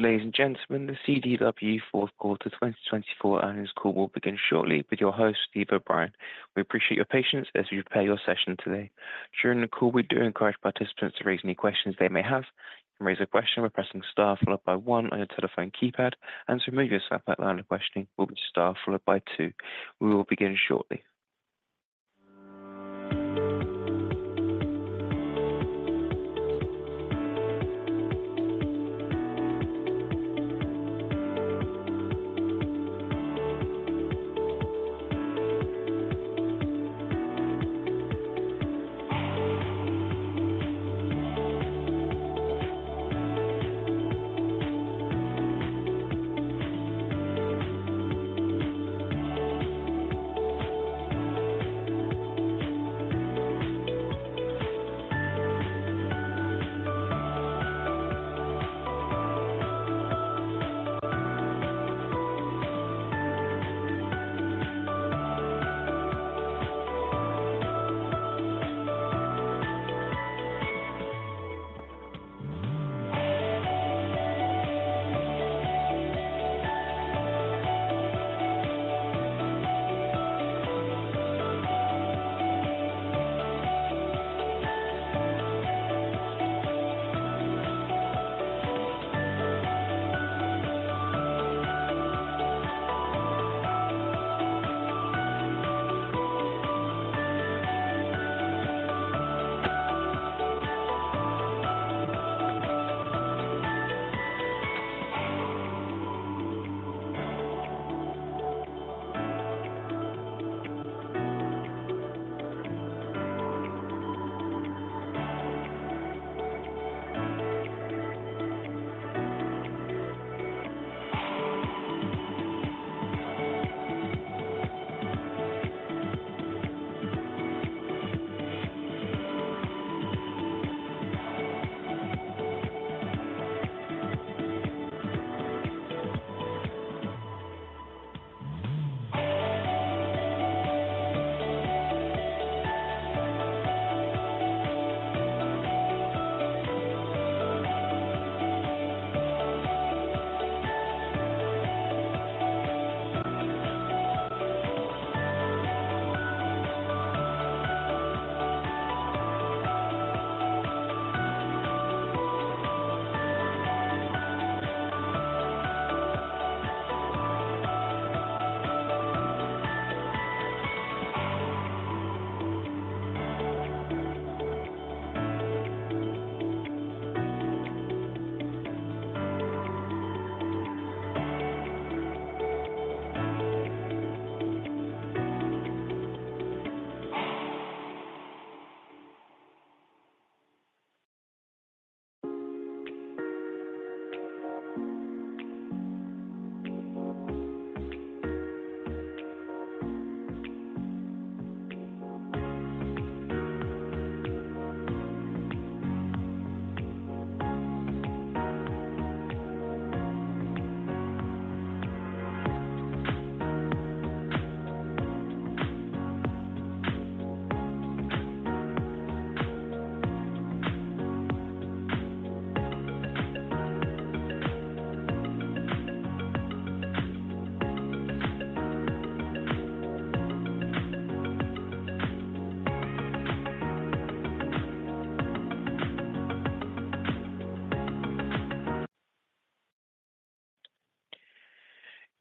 Ladies and gentlemen, the CDW Q4 2024 earnings call will begin shortly with your host, Steve O'Brien. We appreciate your patience as we prepare your session today. During the call, we do encourage participants to raise any questions they may have. You can raise a question by pressing star followed by one on your telephone keypad, and to remove yourself out of the line of questioning, we'll be star followed by two. We will begin shortly.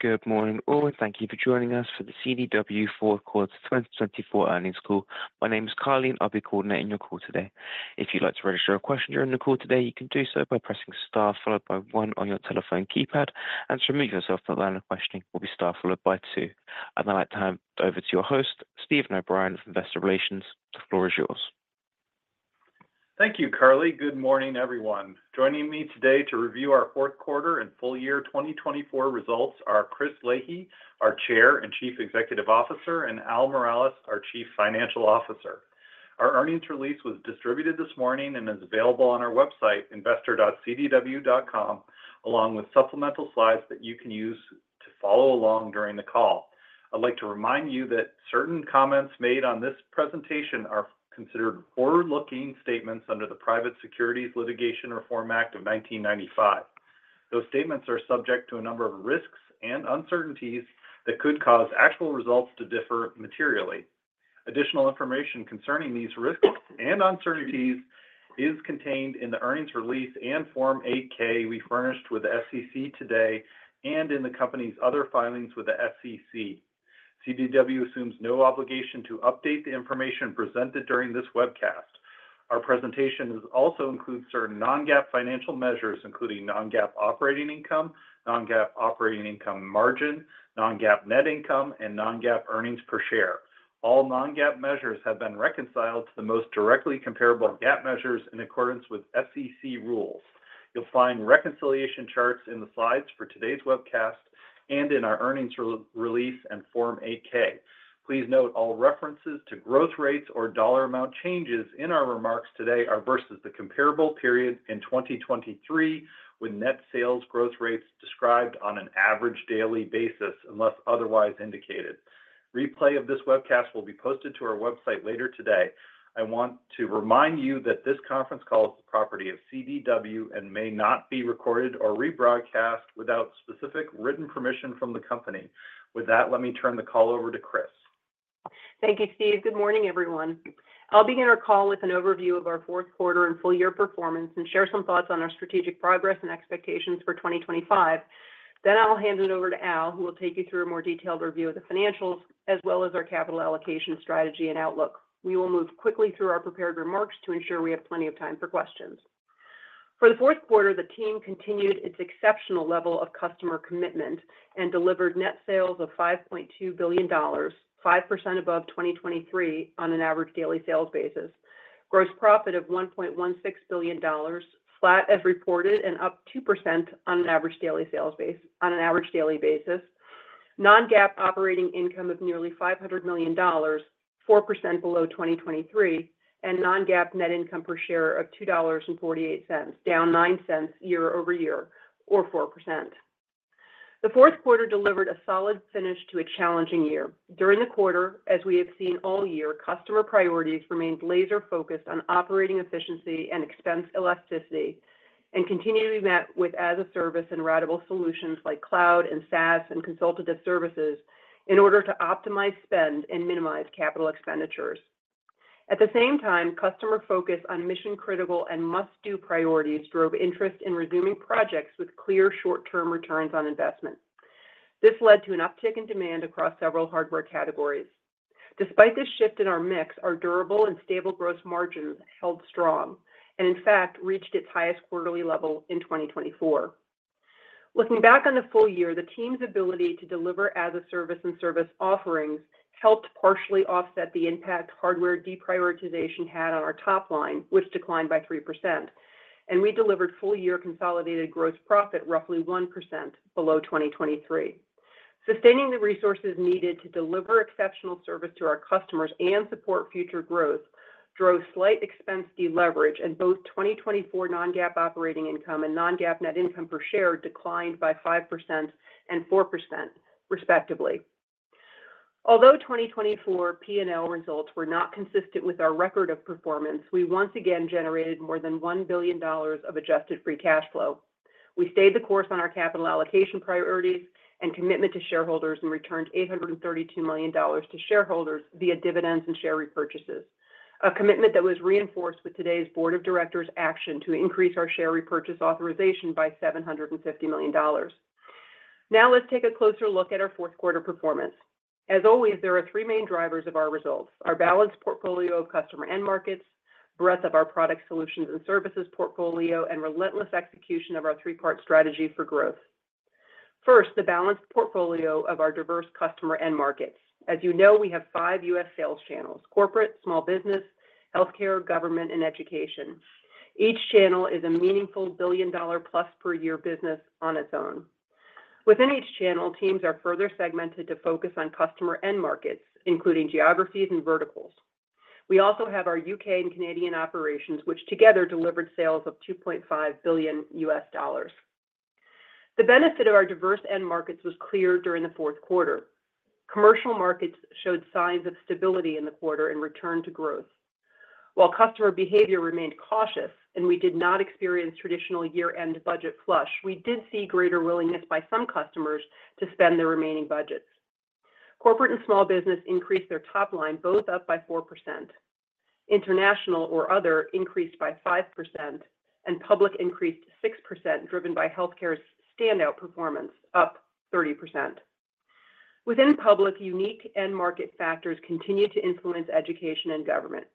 Good morning all, and thank you for joining us for the CDW Q4 2024 earnings call. My name is Carly, and I'll be coordinating your call today. If you'd like to register a question during the call today, you can do so by pressing star followed by one on your telephone keypad, and to remove yourself out of the line of questioning, we'll be star followed by two. And I'd like to hand over to your host, Steve O'Brien of Investor Relations. The floor is yours. Thank you, Carly. Good morning, everyone. Joining me today to review our Q4 and full year 2024 results are Chris Leahy, our Chair and Chief Executive Officer, and Al Miralles, our Chief Financial Officer. Our earnings release was distributed this morning and is available on our website, investor.cdw.com, along with supplemental slides that you can use to follow along during the call. I'd like to remind you that certain comments made on this presentation are considered forward-looking statements under the Private Securities Litigation Reform Act of 1995. Those statements are subject to a number of risks and uncertainties that could cause actual results to differ materially. Additional information concerning these risks and uncertainties is contained in the earnings release and Form 8-K we furnished with the SEC today and in the company's other filings with the SEC. CDW assumes no obligation to update the information presented during this webcast. Our presentation also includes certain non-GAAP financial measures, including non-GAAP operating income, non-GAAP operating income margin, non-GAAP net income, and non-GAAP earnings per share. All non-GAAP measures have been reconciled to the most directly comparable GAAP measures in accordance with SEC rules. You'll find reconciliation charts in the slides for today's webcast and in our earnings release and Form 8-K. Please note all references to growth rates or dollar amount changes in our remarks today are versus the comparable period in 2023, with net sales growth rates described on an average daily basis unless otherwise indicated. Replay of this webcast will be posted to our website later today. I want to remind you that this conference call is the property of CDW and may not be recorded or rebroadcast without specific written permission from the company. With that, let me turn the call over to Chris. Thank you, Steve. Good morning, everyone. I'll begin our call with an overview of our Q4 and full year performance and share some thoughts on our strategic progress and expectations for 2025. Then I'll hand it over to Al, who will take you through a more detailed review of the financials as well as our capital allocation strategy and outlook. We will move quickly through our prepared remarks to ensure we have plenty of time for questions. For the Q4, the team continued its exceptional level of customer commitment and delivered net sales of $5.2 billion, 5% above 2023 on an average daily sales basis, gross profit of $1.16 billion, flat as reported and up 2% on an average daily sales base, on an average daily basis, non-GAAP operating income of nearly $500 million, 4% below 2023, and non-GAAP net income per share of $2.48, down $0.09 year-over-year, or 4%. The Q4 delivered a solid finish to a challenging year. During the quarter, as we have seen all year, customer priorities remained laser-focused on operating efficiency and expense elasticity and continually met with as-a-service and radical solutions like cloud and SaaS and consultative services in order to optimize spend and minimize capital expenditures. At the same time, customer focus on mission-critical and must-do priorities drove interest in resuming projects with clear short-term returns on investment. This led to an uptick in demand across several hardware categories. Despite this shift in our mix, our durable and stable gross margins held strong and, in fact, reached its highest quarterly level in 2024. Looking back on the full year, the team's ability to deliver as-a-service and service offerings helped partially offset the impact hardware deprioritization had on our top line, which declined by 3%, and we delivered full-year consolidated gross profit roughly 1% below 2023. Sustaining the resources needed to deliver exceptional service to our customers and support future growth drove slight expense deleverage, and both 2024 non-GAAP operating income and non-GAAP net income per share declined by 5% and 4%, respectively. Although 2024 P&L results were not consistent with our record of performance, we once again generated more than $1 billion of adjusted free cash flow. We stayed the course on our capital allocation priorities and commitment to shareholders and returned $832 million to shareholders via dividends and share repurchases, a commitment that was reinforced with today's board of directors' action to increase our share repurchase authorization by $750 million. Now let's take a closer look at our Q4 performance. As always, there are three main drivers of our results: our balanced portfolio of customer and markets, breadth of our product solutions and services portfolio, and relentless execution of our three-part strategy for growth. First, the balanced portfolio of our diverse customer and markets. As you know, we have five U.S. sales channels: corporate, small business, healthcare, government, and education. Each channel is a meaningful billion-dollar-plus per year business on its own. Within each channel, teams are further segmented to focus on customer and markets, including geographies and verticals. We also have our U.K. and Canadian operations, which together delivered sales of $2.5 billion U.S. dollars. The benefit of our diverse end markets was clear during the Q4. Commercial markets showed signs of stability in the quarter and returned to growth. While customer behavior remained cautious and we did not experience traditional year-end budget flush, we did see greater willingness by some customers to spend their remaining budgets. Corporate and small business increased their top line both up by 4%, international or other increased by 5%, and public increased 6%, driven by healthcare's standout performance, up 30%. Within public, unique end market factors continued to influence education and government.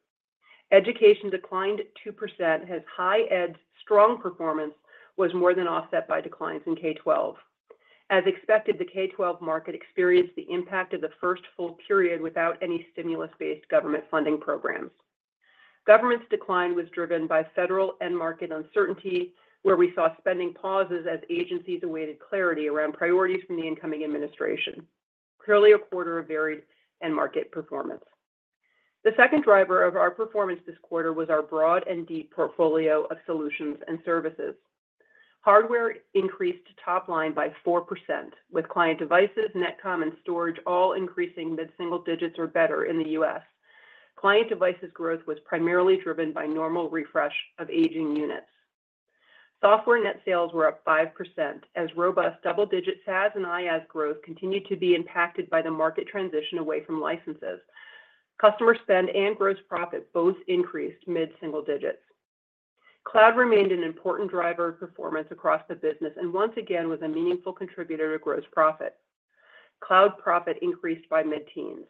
Education declined 2%, as Higher Ed's strong performance was more than offset by declines in K-12. As expected, the K-12 market experienced the impact of the first full period without any stimulus-based government funding programs. Government's decline was driven by federal end market uncertainty, where we saw spending pauses as agencies awaited clarity around priorities from the incoming administration. Clearly, a quarter of varied end market performance. The second driver of our performance this quarter was our broad and deep portfolio of solutions and services. Hardware increased top line by 4%, with client devices, NetComm, and storage all increasing mid-single digits or better in the U.S. Client devices growth was primarily driven by normal refresh of aging units. Software net sales were up 5%, as robust double-digit SaaS and IaaS growth continued to be impacted by the market transition away from licenses. Customer spend and gross profit both increased mid-single digits. Cloud remained an important driver of performance across the business and once again was a meaningful contributor to gross profit. Cloud profit increased by mid-teens.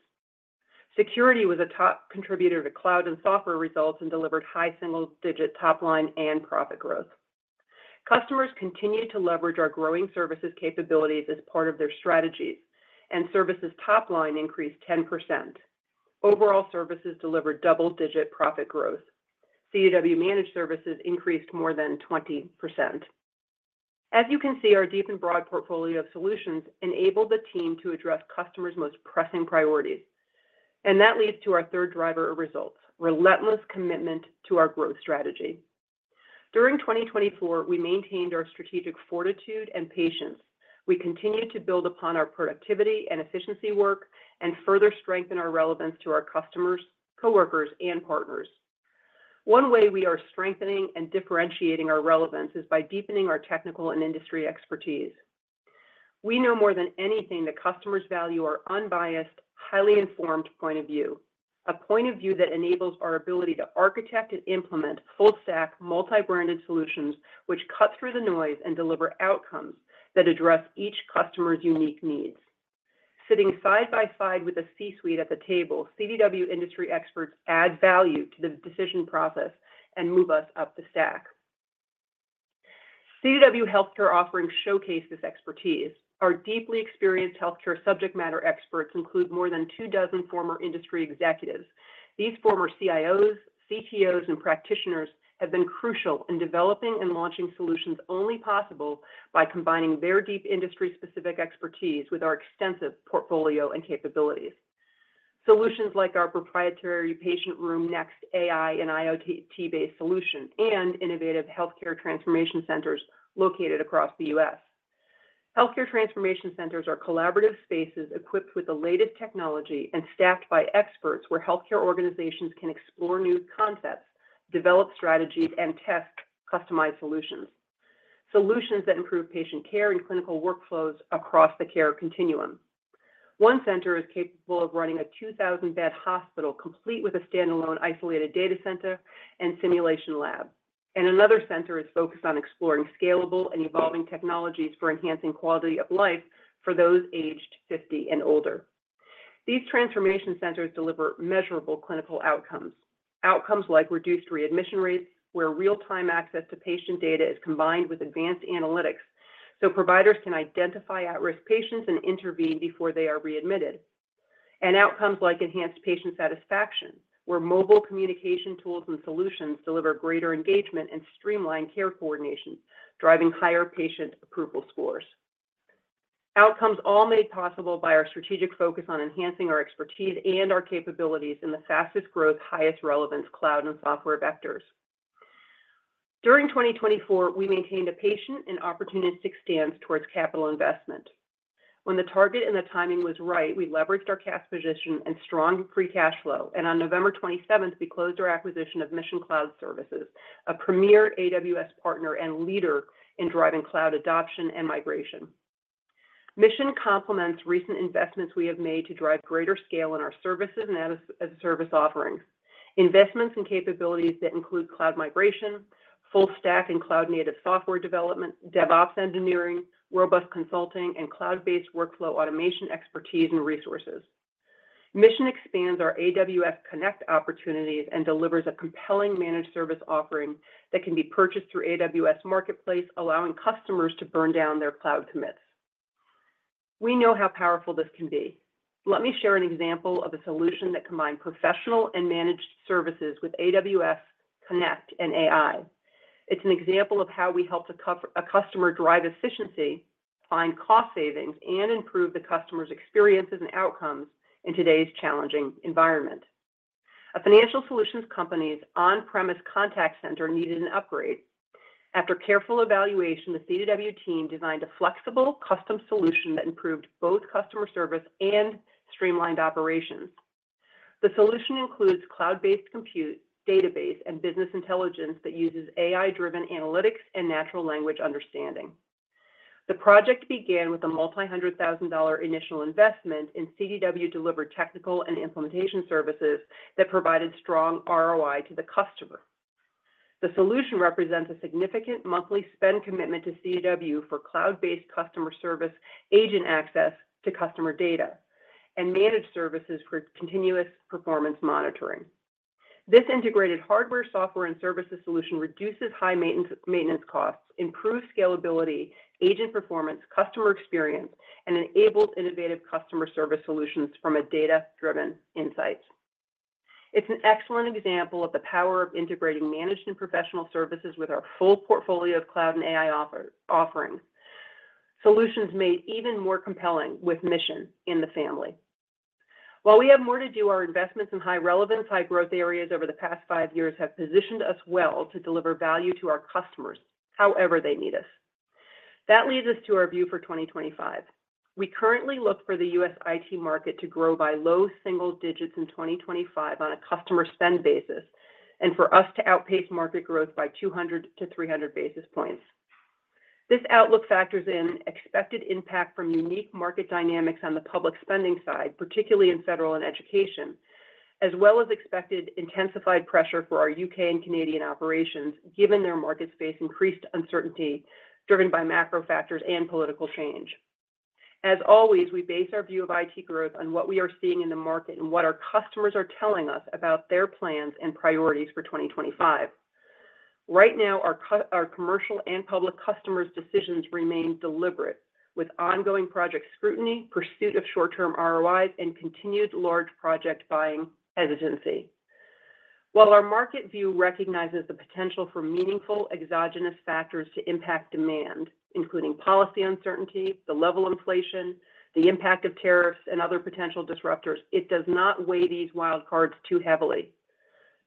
Security was a top contributor to cloud and software results and delivered high single-digit top line and profit growth. Customers continued to leverage our growing services capabilities as part of their strategies, and services top line increased 10%. Overall services delivered double-digit profit growth. CDW managed services increased more than 20%. As you can see, our deep and broad portfolio of solutions enabled the team to address customers' most pressing priorities, and that leads to our third driver of results: relentless commitment to our growth strategy. During 2024, we maintained our strategic fortitude and patience. We continued to build upon our productivity and efficiency work and further strengthen our relevance to our customers, coworkers, and partners. One way we are strengthening and differentiating our relevance is by deepening our technical and industry expertise. We know more than anything that customers value our unbiased, highly informed point of view, a point of view that enables our ability to architect and implement full-stack, multi-branded solutions which cut through the noise and deliver outcomes that address each customer's unique needs. Sitting side by side with a C-suite at the table, CDW industry experts add value to the decision process and move us up the stack. CDW healthcare offerings showcase this expertise. Our deeply experienced healthcare subject matter experts include more than two dozen former industry executives. These former CIOs, CTOs, and practitioners have been crucial in developing and launching solutions only possible by combining their deep industry-specific expertise with our extensive portfolio and capabilities. Solutions like our proprietary Patient Room Next AI and IoT-based solution and innovative Healthcare Transformation Centers located across the U.S. Healthcare Transformation Centers are collaborative spaces equipped with the latest technology and staffed by experts where healthcare organizations can explore new concepts, develop strategies, and test customized solutions. Solutions that improve patient care and clinical workflows across the care continuum. One center is capable of running a 2,000-bed hospital complete with a standalone isolated data center and simulation lab, and another center is focused on exploring scalable and evolving technologies for enhancing quality of life for those aged 50 and older. These transformation centers deliver measurable clinical outcomes. Outcomes like reduced readmission rates, where real-time access to patient data is combined with advanced analytics so providers can identify at-risk patients and intervene before they are readmitted. And outcomes like enhanced patient satisfaction, where mobile communication tools and solutions deliver greater engagement and streamline care coordination, driving higher patient approval scores. Outcomes all made possible by our strategic focus on enhancing our expertise and our capabilities in the fastest growth, highest relevance cloud and software vectors. During 2024, we maintained a patient and opportunistic stance towards capital investment. When the target and the timing was right, we leveraged our cash position and strong free cash flow, and on November 27th, we closed our acquisition of Mission Cloud Services, a premier AWS partner and leader in driving cloud adoption and migration. Mission complements recent investments we have made to drive greater scale in our services and as-a-service offerings. Investments and capabilities that include cloud migration, full-stack and cloud-native software development, DevOps engineering, robust consulting, and cloud-based workflow automation expertise and resources. Mission expands our AWS Connect opportunities and delivers a compelling managed service offering that can be purchased through AWS Marketplace, allowing customers to burn down their cloud commits. We know how powerful this can be. Let me share an example of a solution that combined professional and managed services with AWS Connect and AI. It's an example of how we help a customer drive efficiency, find cost savings, and improve the customer's experiences and outcomes in today's challenging environment. A financial solutions company's on-premise contact center needed an upgrade. After careful evaluation, the CDW team designed a flexible, custom solution that improved both customer service and streamlined operations. The solution includes cloud-based compute, database, and business intelligence that uses AI-driven analytics and natural language understanding. The project began with a multi-hundred thousand dollar initial investment, and CDW delivered technical and implementation services that provided strong ROI to the customer. The solution represents a significant monthly spend commitment to CDW for cloud-based customer service, agent access to customer data, and managed services for continuous performance monitoring. This integrated hardware, software, and services solution reduces high maintenance costs, improves scalability, agent performance, customer experience, and enables innovative customer service solutions from a data-driven insight. It's an excellent example of the power of integrating managed and professional services with our full portfolio of cloud and AI offerings. Solutions made even more compelling with Mission in the family. While we have more to do, our investments in high relevance, high growth areas over the past five years have positioned us well to deliver value to our customers, however they need us. That leads us to our view for 2025. We currently look for the U.S. IT market to grow by low single digits in 2025 on a customer spend basis and for us to outpace market growth by 200 to 300 basis points. This outlook factors in expected impact from unique market dynamics on the public spending side, particularly in federal and education, as well as expected intensified pressure for our U.K. and Canadian operations, given their market space increased uncertainty driven by macro factors and political change. As always, we base our view of IT growth on what we are seeing in the market and what our customers are telling us about their plans and priorities for 2025. Right now, our commercial and public customers' decisions remain deliberate, with ongoing project scrutiny, pursuit of short-term ROIs, and continued large project buying hesitancy. While our market view recognizes the potential for meaningful exogenous factors to impact demand, including policy uncertainty, the level of inflation, the impact of tariffs, and other potential disruptors, it does not weigh these wild cards too heavily.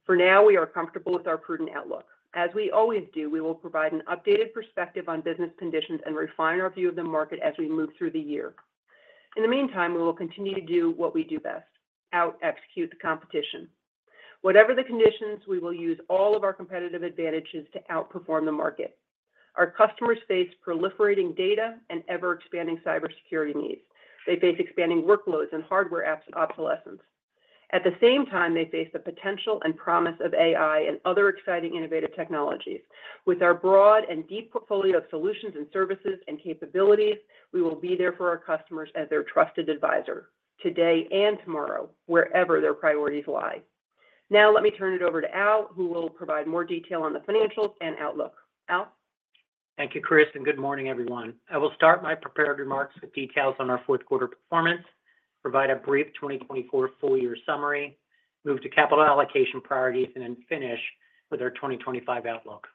For now, we are comfortable with our prudent outlook. As we always do, we will provide an updated perspective on business conditions and refine our view of the market as we move through the year. In the meantime, we will continue to do what we do best: out-execute the competition. Whatever the conditions, we will use all of our competitive advantages to outperform the market. Our customers face proliferating data and ever-expanding cybersecurity needs. They face expanding workloads and hardware apps and obsolescence. At the same time, they face the potential and promise of AI and other exciting innovative technologies. With our broad and deep portfolio of solutions and services and capabilities, we will be there for our customers as their trusted advisor today and tomorrow, wherever their priorities lie. Now, let me turn it over to Al, who will provide more detail on the financials and outlook. Al. Thank you, Chris, and good morning, everyone. I will start my prepared remarks with details on our Q4 performance, provide a brief 2024 full year summary, move to capital allocation priorities, and then finish with our 2025 outlook.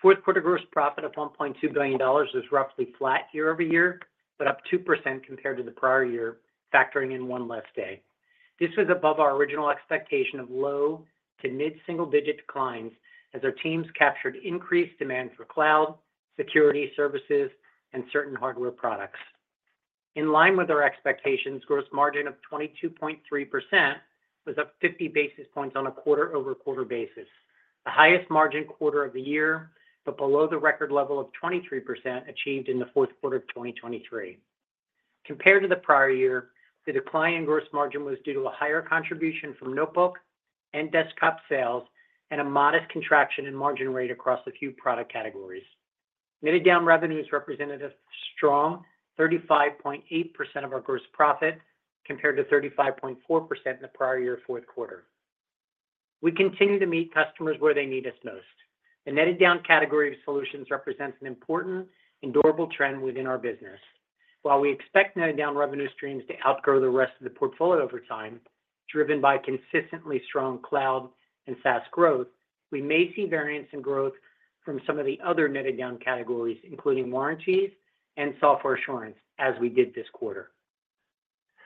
Fourth quarter gross profit of $1.2 billion is roughly flat year-over-year, but up 2% compared to the prior year, factoring in one less day. This was above our original expectation of low to mid-single digit declines as our teams captured increased demand for cloud, security services, and certain hardware products. In line with our expectations, gross margin of 22.3% was up 50 basis points on a quarter-over-quarter basis, the highest margin quarter of the year, but below the record level of 23% achieved in the Q4 of 2023. Compared to the prior year, the decline in gross margin was due to a higher contribution from notebook and desktop sales and a modest contraction in margin rate across a few product categories. Netted down revenues represented a strong 35.8% of our gross profit compared to 35.4% in the prior year Q4. We continue to meet customers where they need us most. The netted down category of solutions represents an important and durable trend within our business. While we expect netted down revenue streams to outgrow the rest of the portfolio over time, driven by consistently strong cloud and SaaS growth, we may see variance in growth from some of the other netted down categories, including warranties and software assurance, as we did this quarter.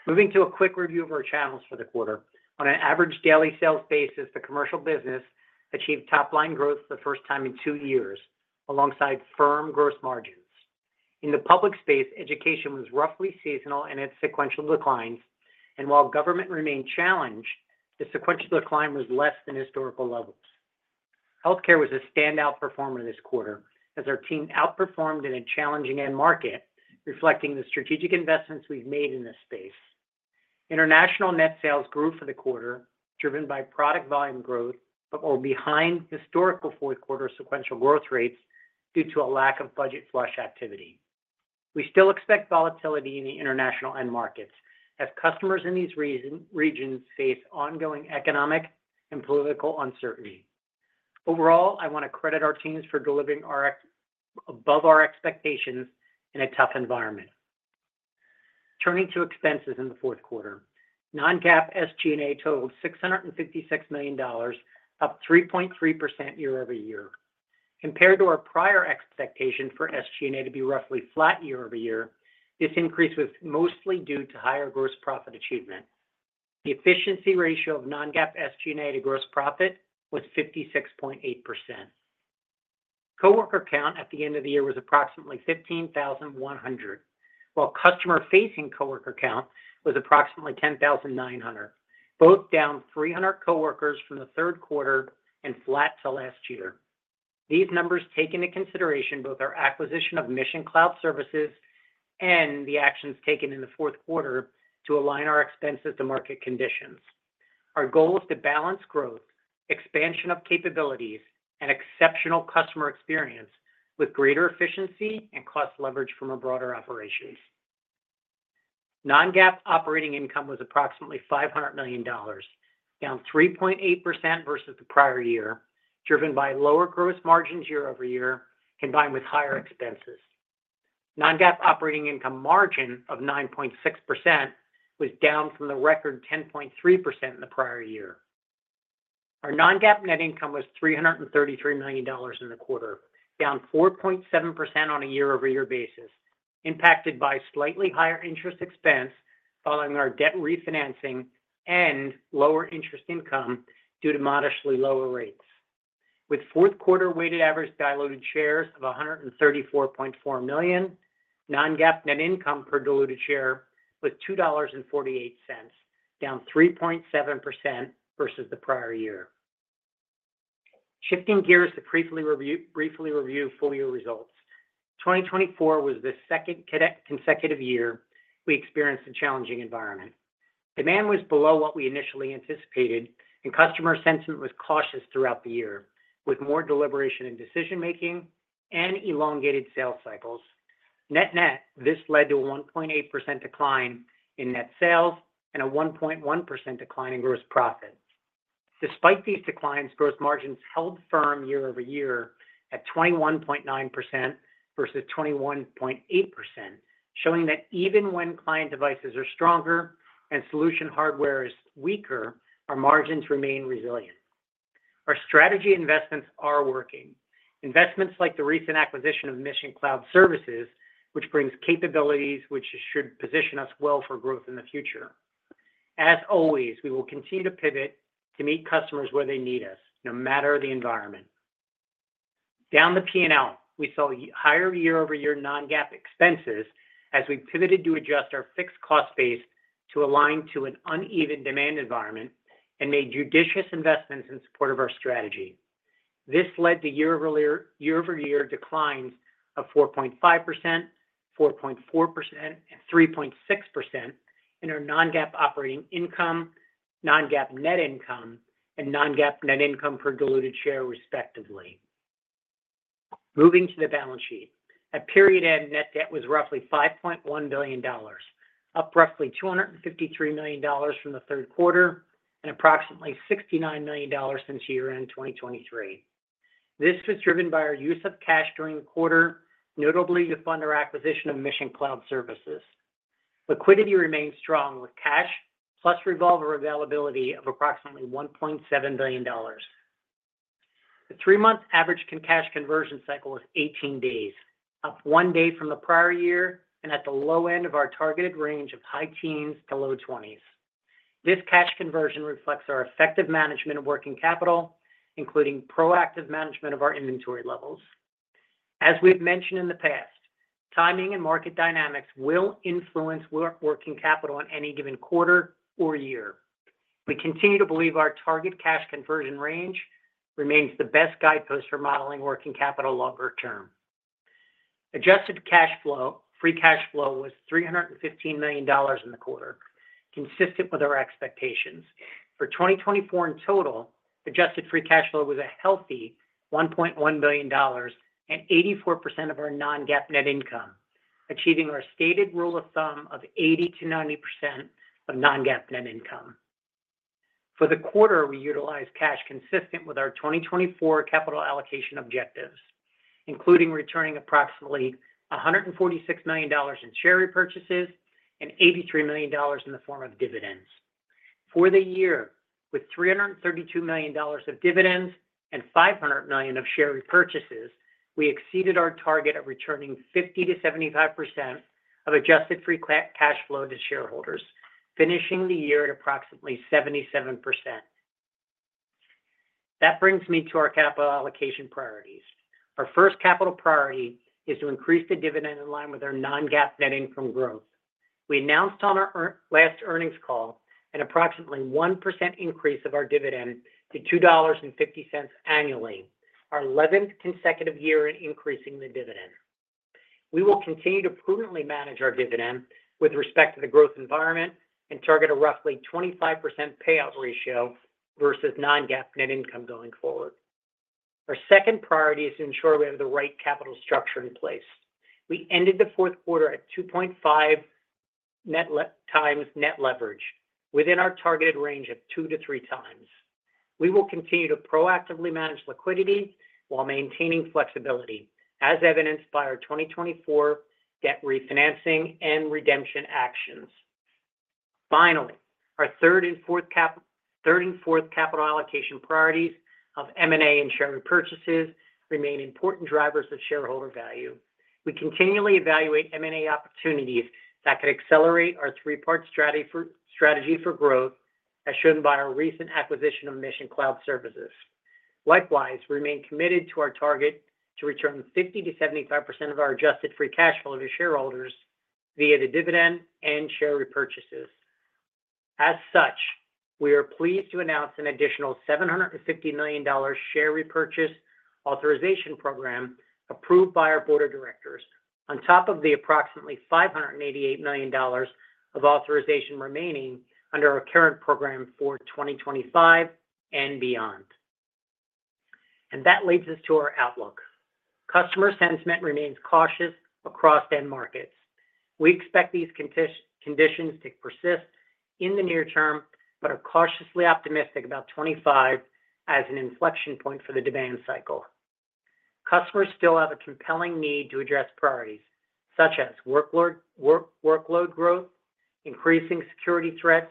Moving to a quick review of our channels for the quarter. On an average daily sales basis, the commercial business achieved top line growth for the first time in two years alongside firm gross margins. In the public sector, education was roughly seasonal and had sequential declines, and while government remained challenged, the sequential decline was less than historical levels. Healthcare was a standout performer this quarter as our team outperformed in a challenging end market, reflecting the strategic investments we've made in this space. International net sales grew for the quarter, driven by product volume growth, but were behind historical Q4 sequential growth rates due to a lack of budget flush activity. We still expect volatility in the international end markets as customers in these regions face ongoing economic and political uncertainty. Overall, I want to credit our teams for delivering above our expectations in a tough environment. Turning to expenses in the Q4, non-GAAP SG&A totaled $656 million, up 3.3% year-over-year. Compared to our prior expectation for SG&A to be roughly flat year-over-year, this increase was mostly due to higher gross profit achievement. The efficiency ratio of non-GAAP SG&A to gross profit was 56.8%. Coworker count at the end of the year was approximately 15,100, while customer-facing coworker count was approximately 10,900, both down 300 coworkers from the Q3 and flat to last year. These numbers take into consideration both our acquisition of Mission Cloud Services and the actions taken in the Q4 to align our expenses to market conditions. Our goal is to balance growth, expansion of capabilities, and exceptional customer experience with greater efficiency and cost leverage from our broader operations. Non-GAAP operating income was approximately $500 million, down 3.8% versus the prior year, driven by lower gross margins year-over-year combined with higher expenses. Non-GAAP operating income margin of 9.6% was down from the record 10.3% in the prior year. Our non-GAAP net income was $333 million in the quarter, down 4.7% on a year-over-year basis, impacted by slightly higher interest expense following our debt refinancing and lower interest income due to modestly lower rates. With Q4 weighted average diluted shares of 134.4 million, non-GAAP net income per diluted share was $2.48, down 3.7% versus the prior year. Shifting gears to briefly review full year results. 2024 was the second consecutive year we experienced a challenging environment. Demand was below what we initially anticipated, and customer sentiment was cautious throughout the year, with more deliberation in decision-making and elongated sales cycles. Net-net, this led to a 1.8% decline in net sales and a 1.1% decline in gross profit. Despite these declines, gross margins held firm year-over-year at 21.9% versus 21.8%, showing that even when client devices are stronger and solution hardware is weaker, our margins remain resilient. Our strategy investments are working. Investments like the recent acquisition of Mission Cloud Services, which brings capabilities which should position us well for growth in the future. As always, we will continue to pivot to meet customers where they need us, no matter the environment. Down the P&L, we saw higher year-over-year Non-GAAP expenses as we pivoted to adjust our fixed cost base to align to an uneven demand environment and made judicious investments in support of our strategy. This led to year-over-year declines of 4.5%, 4.4%, and 3.6% in our Non-GAAP operating income, Non-GAAP net income, and Non-GAAP net income per diluted share, respectively. Moving to the balance sheet, at period end, net debt was roughly $5.1 billion, up roughly $253 million from the Q3 and approximately $69 million since year-end 2023. This was driven by our use of cash during the quarter, notably to fund our acquisition of Mission Cloud Services. Liquidity remained strong with cash plus revolver availability of approximately $1.7 billion. The three-month average cash conversion cycle was 18 days, up one day from the prior year and at the low end of our targeted range of high teens to low twenties. This cash conversion reflects our effective management of working capital, including proactive management of our inventory levels. As we've mentioned in the past, timing and market dynamics will influence working capital on any given quarter or year. We continue to believe our target cash conversion range remains the best guidepost for modeling working capital longer term. Adjusted cash flow, free cash flow was $315 million in the quarter, consistent with our expectations. For 2024 in total, adjusted free cash flow was a healthy $1.1 billion and 84% of our non-GAAP net income, achieving our stated rule of thumb of 80%-90% of non-GAAP net income. For the quarter, we utilized cash consistent with our 2024 capital allocation objectives, including returning approximately $146 million in share repurchases and $83 million in the form of dividends. For the year, with $332 million of dividends and $500 million of share repurchases, we exceeded our target of returning 50%-75% of adjusted free cash flow to shareholders, finishing the year at approximately 77%. That brings me to our capital allocation priorities. Our first capital priority is to increase the dividend in line with our non-GAAP net income growth. We announced on our last earnings call an approximately 1% increase of our dividend to $2.50 annually, our 11th consecutive year in increasing the dividend. We will continue to prudently manage our dividend with respect to the growth environment and target a roughly 25% payout ratio versus non-GAAP net income going forward. Our second priority is to ensure we have the right capital structure in place. We ended the Q4 at 2.5 net times net leverage, within our targeted range of two to three times. We will continue to proactively manage liquidity while maintaining flexibility, as evidenced by our 2024 debt refinancing and redemption actions. Finally, our third and fourth capital allocation priorities of M&A and share repurchases remain important drivers of shareholder value. We continually evaluate M&A opportunities that could accelerate our three-part strategy for growth, as shown by our recent acquisition of Mission Cloud Services. Likewise, we remain committed to our target to return 50%-75% of our adjusted free cash flow to shareholders via the dividend and share repurchases. As such, we are pleased to announce an additional $750 million share repurchase authorization program approved by our board of directors on top of the approximately $588 million of authorization remaining under our current program for 2025 and beyond. That leads us to our outlook. Customer sentiment remains cautious across end markets. We expect these conditions to persist in the near term, but are cautiously optimistic about 25 as an inflection point for the demand cycle. Customers still have a compelling need to address priorities such as workload growth, increasing security threats,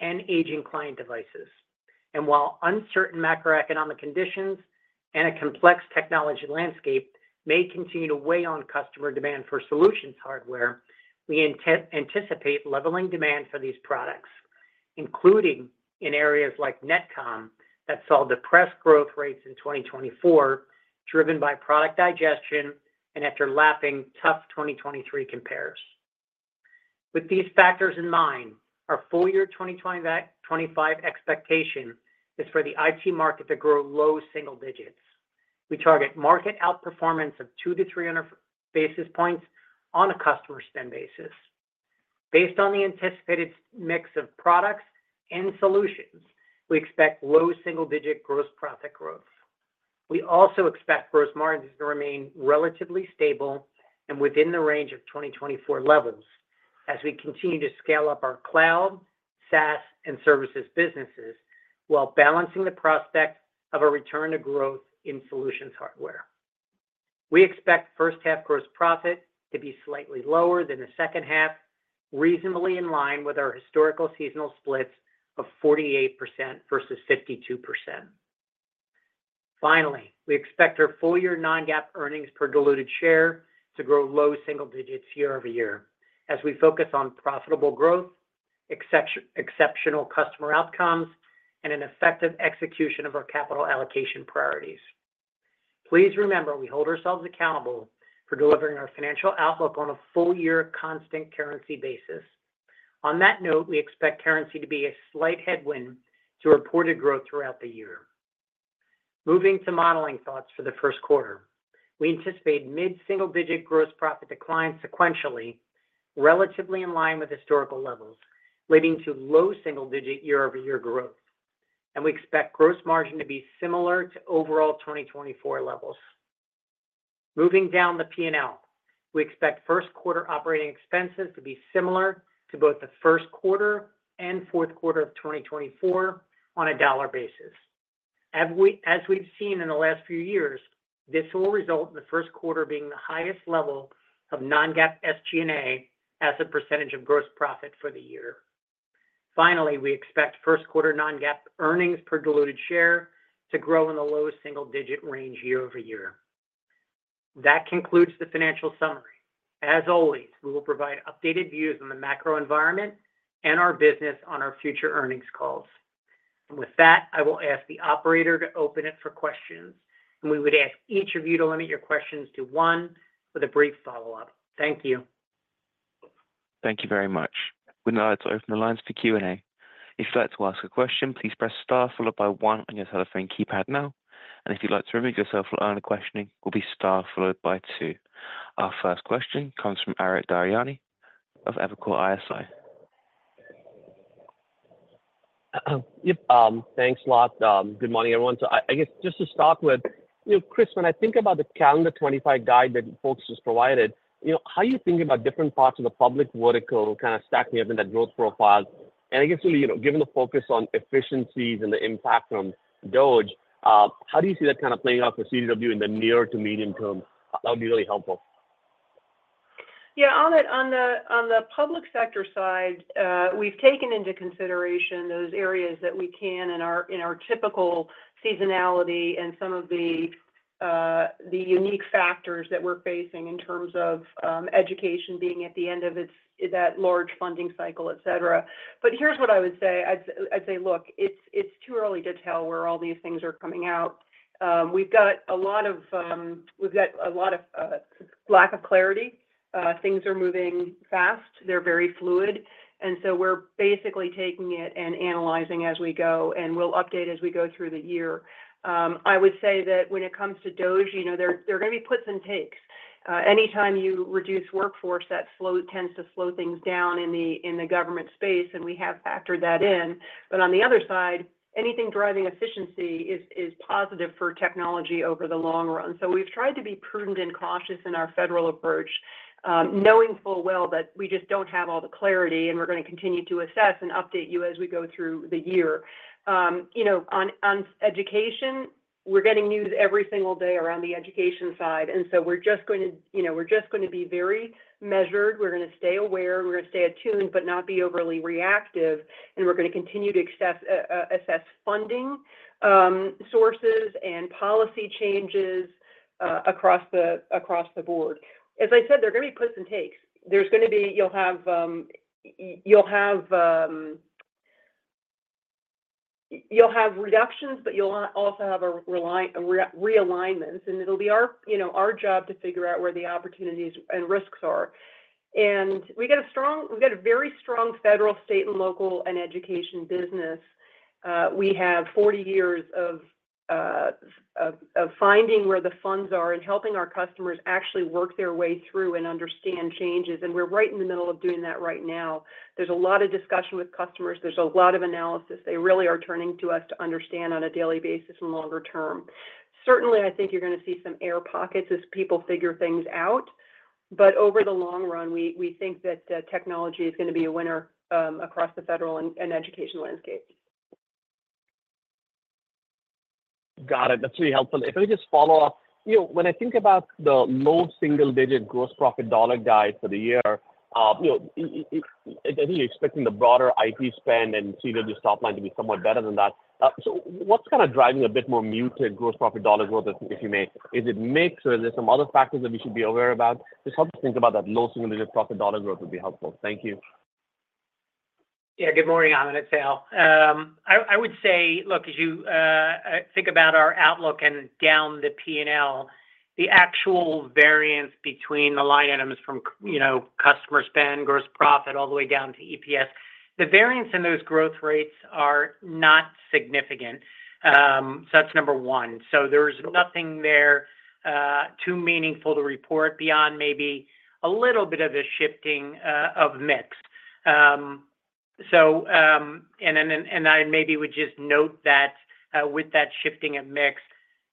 and aging client devices. While uncertain macroeconomic conditions and a complex technology landscape may continue to weigh on customer demand for solutions hardware, we anticipate leveling demand for these products, including in areas like NetComm that saw depressed growth rates in 2024 driven by product digestion and after lapping tough 2023 compares. With these factors in mind, our full year 2025 expectation is for the IT market to grow low single digits. We target market outperformance of 200 to 300 basis points on a customer spend basis. Based on the anticipated mix of products and solutions, we expect low single-digit gross profit growth. We also expect gross margins to remain relatively stable and within the range of 2024 levels as we continue to scale up our cloud, SaaS, and services businesses while balancing the prospect of a return to growth in solutions hardware. We expect first-half gross profit to be slightly lower than the second half, reasonably in line with our historical seasonal splits of 48% versus 52%. Finally, we expect our full year Non-GAAP earnings per diluted share to grow low single digits year-over-year as we focus on profitable growth, exceptional customer outcomes, and an effective execution of our capital allocation priorities. Please remember, we hold ourselves accountable for delivering our financial outlook on a full year constant currency basis. On that note, we expect currency to be a slight headwind to reported growth throughout the year. Moving to modeling thoughts for the Q1, we anticipate mid-single-digit gross profit declines sequentially, relatively in line with historical levels, leading to low single-digit year-over-year growth, and we expect gross margin to be similar to overall 2024 levels. Moving down the P&L, we expect Q1 operating expenses to be similar to both the Q1 and Q4 of 2024 on a dollar basis. As we've seen in the last few years, this will result in the Q1 being the highest level of non-GAAP SG&A as a percentage of gross profit for the year. Finally, we expect Q1 non-GAAP earnings per diluted share to grow in the low single-digit range year-over-year. That concludes the financial summary. As always, we will provide updated views on the macro environment and our business on our future earnings calls. And with that, I will ask the operator to open it for questions, and we would ask each of you to limit your questions to one with a brief follow-up. Thank you. Thank you very much. We would now like to open the lines for Q&A. If you'd like to ask a question, please press star followed by one on your telephone keypad now. And if you'd like to remove yourself from the line of questioning, we'll be star followed by two. Our first question comes from Amit Daryanani of Evercore ISI. Yep. Thanks a lot. Good morning, everyone. So I guess just to start with, Chris, when I think about the calendar 25 guide that folks just provided, how do you think about different parts of the public vertical kind of stacking up in that growth profile? And I guess really, given the focus on efficiencies and the impact from DOGE, how do you see that kind of playing out for CDW in the near to medium term? That would be really helpful. Yeah. On the public sector side, we've taken into consideration those areas that we can in our typical seasonality and some of the unique factors that we're facing in terms of education being at the end of that large funding cycle, etc. But here's what I would say. I'd say, look, it's too early to tell where all these things are coming out. We've got a lot of lack of clarity. Things are moving fast. They're very fluid. And so we're basically taking it and analyzing as we go, and we'll update as we go through the year. I would say that when it comes to DOGE, there are going to be puts and takes. Anytime you reduce workforce, that tends to slow things down in the government space, and we have factored that in. But on the other side, anything driving efficiency is positive for technology over the long run. So we've tried to be prudent and cautious in our federal approach, knowing full well that we just don't have all the clarity, and we're going to continue to assess and update you as we go through the year. On education, we're getting news every single day around the education side. And so we're just going to be very measured. We're going to stay aware. We're going to stay attuned but not be overly reactive. And we're going to continue to assess funding sources and policy changes across the board. As I said, there are going to be puts and takes. There's going to be. You'll have reductions, but you'll also have realignments. And it'll be our job to figure out where the opportunities and risks are. We've got a very strong federal, state, and local education business. We have 40 years of finding where the funds are and helping our customers actually work their way through and understand changes. And we're right in the middle of doing that right now. There's a lot of discussion with customers. There's a lot of analysis. They really are turning to us to understand on a daily basis and longer term. Certainly, I think you're going to see some air pockets as people figure things out. But over the long run, we think that technology is going to be a winner across the federal and education landscape. Got it. That's really helpful. If I could just follow up, when I think about the low single-digit gross profit dollar guide for the year, I think you're expecting the broader IT spend and CDW's top line to be somewhat better than that. So what's kind of driving a bit more muted gross profit dollar growth, if I may? Is it mix, or is there some other factors that we should be aware about? Just help us think about that low single-digit profit dollar growth would be helpful. Thank you. Yeah. Good morning, Amit. I would say, look, as you think about our outlook and down the P&L, the actual variance between the line items from customer spend, gross profit, all the way down to EPS, the variance in those growth rates are not significant. So that's number one. So there's nothing there too meaningful to report beyond maybe a little bit of a shifting of mix. And I maybe would just note that with that shifting of mix,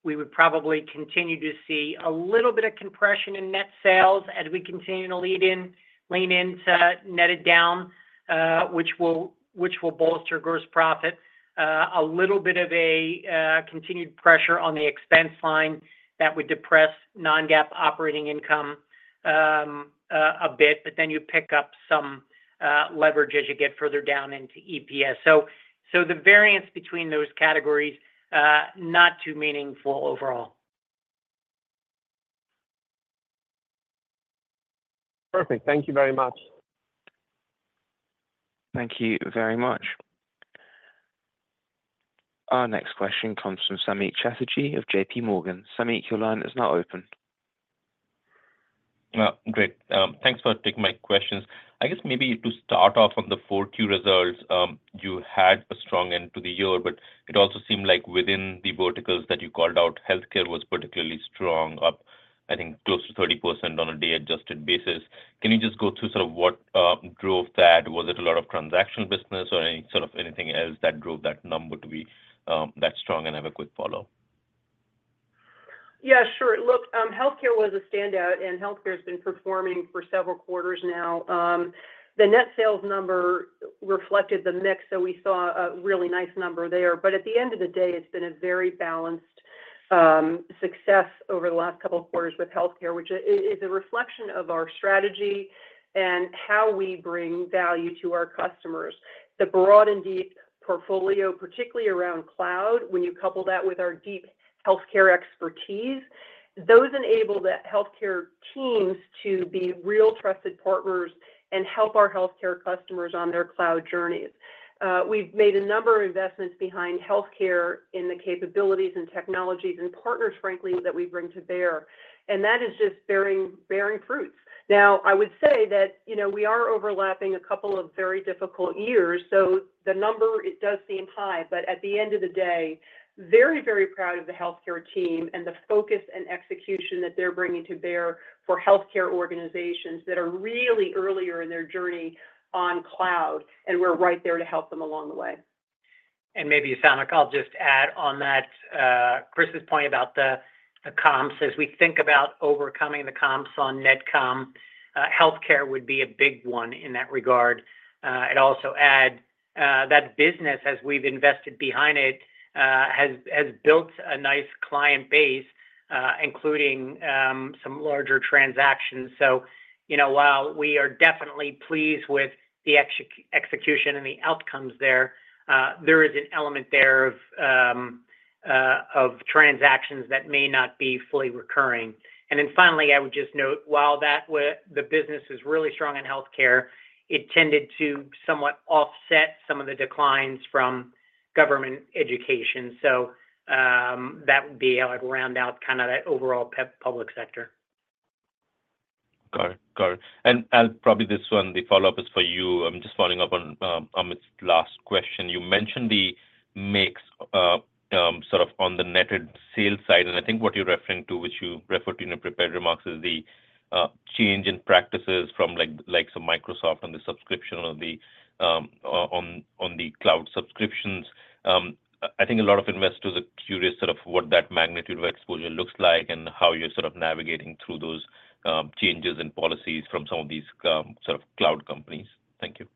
we would probably continue to see a little bit of compression in net sales as we continue to lean into netted down, which will bolster gross profit. A little bit of a continued pressure on the expense line that would depress non-GAAP operating income a bit, but then you pick up some leverage as you get further down into EPS. So the variance between those categories, not too meaningful overall. Perfect. Thank you very much. Thank you very much. Our next question comes from Samik Chatterjee of J.P. Morgan. Samik, your line is now open. Great. Thanks for taking my questions. I guess maybe to start off on the Q4 results, you had a strong end to the year, but it also seemed like within the verticals that you called out, healthcare was particularly strong, up, I think, close to 30% on a day-adjusted basis. Can you just go through sort of what drove that? Was it a lot of transactional business or sort of anything else that drove that number to be that strong and have a quick follow-up? Yeah, sure. Look, healthcare was a standout, and healthcare has been performing for several quarters now. The net sales number reflected the mix, so we saw a really nice number there. But at the end of the day, it's been a very balanced success over the last couple of quarters with healthcare, which is a reflection of our strategy and how we bring value to our customers. The broad and deep portfolio, particularly around cloud, when you couple that with our deep healthcare expertise, those enable the healthcare teams to be real trusted partners and help our healthcare customers on their cloud journeys. We've made a number of investments behind healthcare in the capabilities and technologies and partners, frankly, that we bring to bear. And that is just bearing fruits. Now, I would say that we are overlapping a couple of very difficult years. So the number, it does seem high, but at the end of the day, very, very proud of the healthcare team and the focus and execution that they're bringing to bear for healthcare organizations that are really earlier in their journey on cloud. And we're right there to help them along the way. And maybe, Samik, I'll just add on that Chris's point about the comps. As we think about overcoming the comps on NetComm, healthcare would be a big one in that regard. I'd also add that business, as we've invested behind it, has built a nice client base, including some larger transactions. So while we are definitely pleased with the execution and the outcomes there, there is an element there of transactions that may not be fully recurring. And then finally, I would just note, while the business is really strong in healthcare, it tended to somewhat offset some of the declines from government education. So that would be how I'd round out kind of that overall public sector. Got it. Got it. And probably this one, the follow-up is for you. I'm just following up on Amit's last question. You mentioned the mix sort of on the netted sales side. And I think what you're referring to, which you referred to in your prepared remarks, is the change in practices from like Microsoft on the subscription or on the cloud subscriptions. I think a lot of investors are curious sort of what that magnitude of exposure looks like and how you're sort of navigating through those changes and policies from some of these sort of cloud companies. Thank you.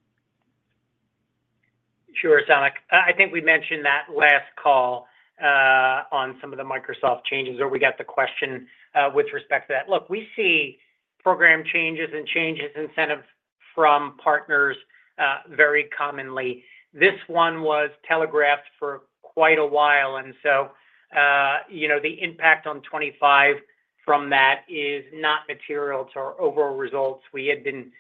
Sure, Samik. I think we mentioned that last call on some of the Microsoft changes where we got the question with respect to that. Look, we see program changes and changes in incentives from partners very commonly. This one was telegraphed for quite a while. And so the impact on 2025 from that is not material to our overall results. We had been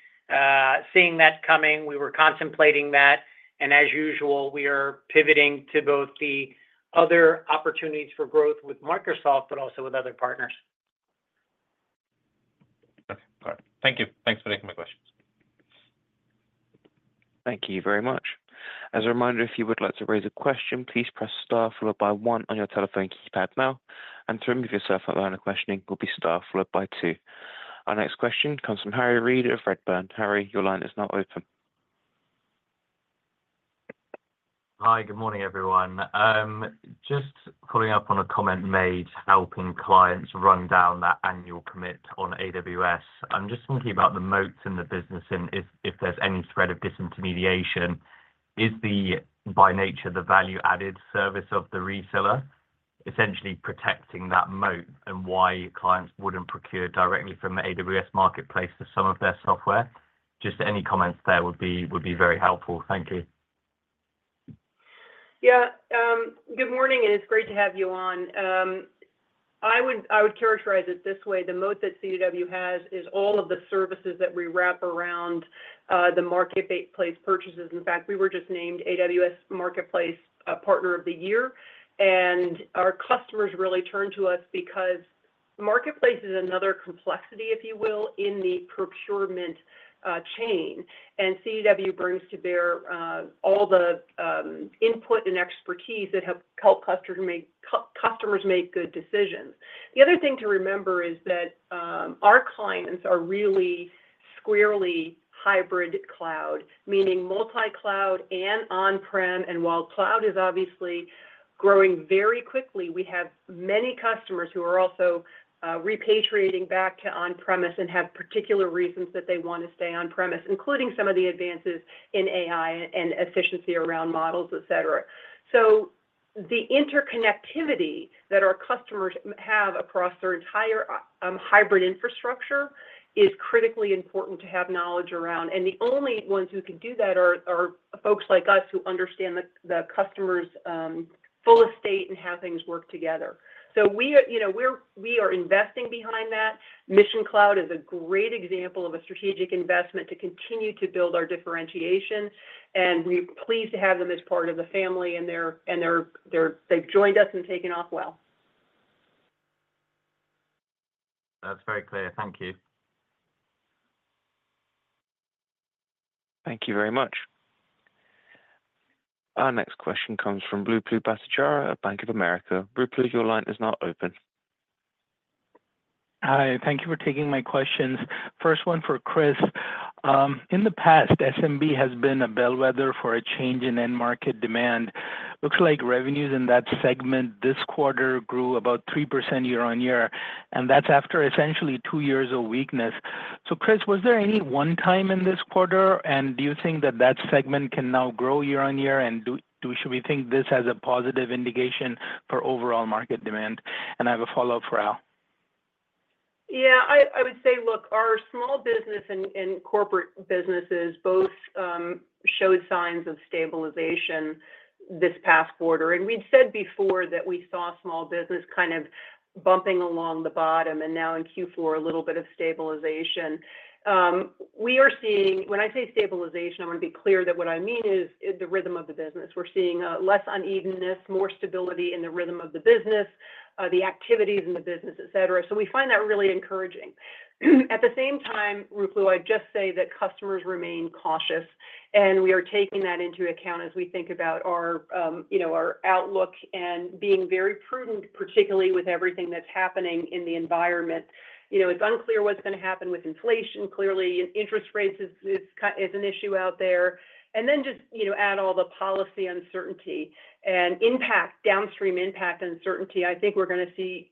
seeing that coming. We were contemplating that. And as usual, we are pivoting to both the other opportunities for growth with Microsoft, but also with other partners. Okay. Got it. Thank you. Thanks for taking my questions. Thank you very much. As a reminder, if you would like to raise a question, please press star followed by one on your telephone keypad now. And to remove yourself from the queue of questioning, it will be star followed by two. Our next question comes from Harry Reid of Redburn. Harry, your line is now open. Hi. Good morning, everyone. Just following up on a comment made helping clients run down that annual commit on AWS. I'm just thinking about the moat and the business and if there's any threat of disintermediation. Is it, by nature, the value-added service of the reseller essentially protecting that moat and why clients wouldn't procure directly from the AWS Marketplace for some of their software? Just any comments there would be very helpful. Thank you. Yeah. Good morning, and it's great to have you on. I would characterize it this way. The moat that CDW has is all of the services that we wrap around the marketplace purchases. In fact, we were just named AWS Marketplace Partner of the Year. And our customers really turn to us because marketplace is another complexity, if you will, in the procurement chain. And CDW brings to bear all the input and expertise that help customers make good decisions. The other thing to remember is that our clients are really squarely hybrid cloud, meaning multi-cloud and on-prem. And while cloud is obviously growing very quickly, we have many customers who are also repatriating back to on-premise and have particular reasons that they want to stay on-premise, including some of the advances in AI and efficiency around models, etc. So the interconnectivity that our customers have across their entire hybrid infrastructure is critically important to have knowledge around. And the only ones who can do that are folks like us who understand the customer's full estate and how things work together. So we are investing behind that. Mission Cloud is a great example of a strategic investment to continue to build our differentiation. And we're pleased to have them as part of the family, and they've joined us and taken off well. That's very clear. Thank you. Thank you very much. Our next question comes from Ruplu Bhattacharya at Bank of America. Ruplu, your line is now open. Hi. Thank you for taking my questions. First one for Chris. In the past, SMB has been a bellwether for a change in end market demand. Looks like revenues in that segment this quarter grew about 3% year-on-year, and that's after essentially two years of weakness. So Chris, was there any one-time in this quarter? And do you think that that segment can now grow year-on-year? And should we think this as a positive indication for overall market demand? And I have a follow-up for Al. Yeah. I would say, look, our small business and corporate businesses both showed signs of stabilization this past quarter. And we'd said before that we saw small business kind of bumping along the bottom and now in Q4 a little bit of stabilization. When I say stabilization, I want to be clear that what I mean is the rhythm of the business. We're seeing less unevenness, more stability in the rhythm of the business, the activities in the business, etc. So we find that really encouraging. At the same time, Ruplu Bhattacharya, I'd just say that customers remain cautious. We are taking that into account as we think about our outlook and being very prudent, particularly with everything that's happening in the environment. It's unclear what's going to happen with inflation. Clearly, interest rates is an issue out there. Then just add all the policy uncertainty and downstream impact uncertainty. I think we're going to see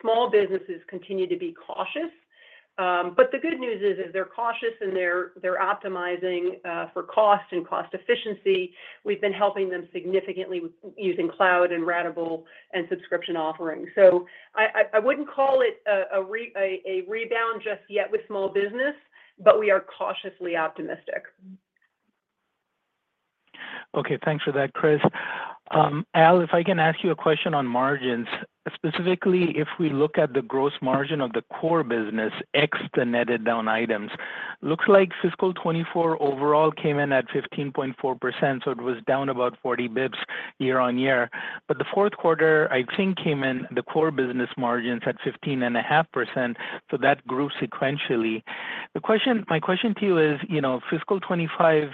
small businesses continue to be cautious. The good news is they're cautious, and they're optimizing for cost and cost efficiency. We've been helping them significantly using cloud and ratable and subscription offerings. I wouldn't call it a rebound just yet with small business, but we are cautiously optimistic. Okay. Thanks for that, Chris. Al, if I can ask you a question on margins. Specifically, if we look at the gross margin of the core business ex the netted down items, looks like fiscal 2024 overall came in at 15.4%. So it was down about 40 basis points year-on-year. But the Q4, I think, came in the core business margins at 15.5%. So that grew sequentially. My question to you is fiscal 2025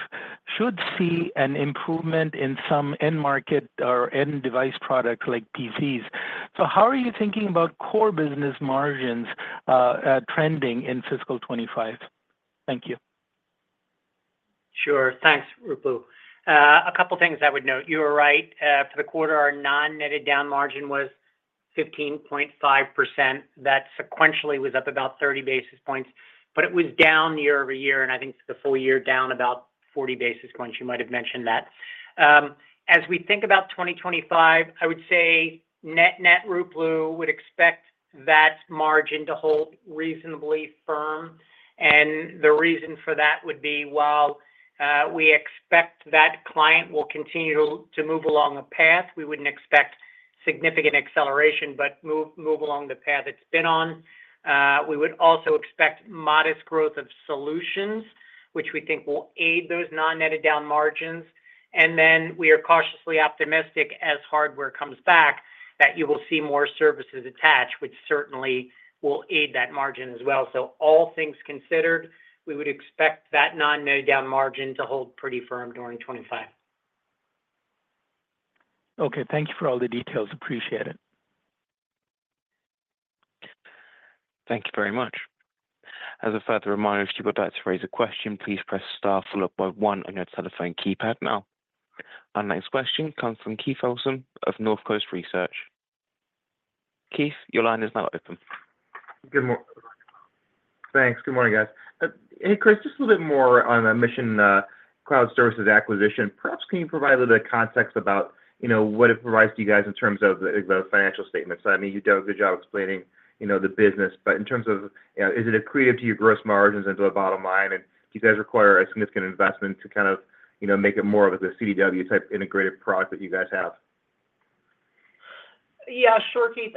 should see an improvement in some end market or end device products like PCs. So how are you thinking about core business margins trending in fiscal 2025? Thank you. Sure. Thanks, Ruplu. A couple of things I would note. You were right. For the quarter, our non-netted down margin was 15.5%. That sequentially was up about 30 basis points. But it was down year-over-year, and I think the full year down about 40 basis points. You might have mentioned that. As we think about 2025, I would say net-net Ruplu Bhattacharya would expect that margin to hold reasonably firm. And the reason for that would be while we expect that client will continue to move along a path, we wouldn't expect significant acceleration, but move along the path it's been on. We would also expect modest growth of solutions, which we think will aid those non-netted down margins. And then we are cautiously optimistic as hardware comes back that you will see more services attached, which certainly will aid that margin as well. So all things considered, we would expect that non-netted down margin to hold pretty firm during 2025. Okay. Thank you for all the details. Appreciate it. Thank you very much. As a further reminder, if you would like to raise a question, please press star followed by one on your telephone keypad now. Our next question comes from Keith Housum of North Coast Research. Keith, your line is now open. Thanks. Good morning, guys. Hey, Chris, just a little bit more on the Mission Cloud Services acquisition. Perhaps can you provide a little bit of context about what it provides to you guys in terms of the financial statements? I mean, you've done a good job explaining the business. But in terms of is it accretive to your gross margins and to a bottom line? And do you guys require a significant investment to kind of make it more of a CDW-type integrated product that you guys have? Yeah, sure, Keith.